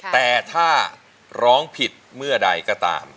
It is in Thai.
แต่ถ้าร้องผิดเมื่อใดก็ตาม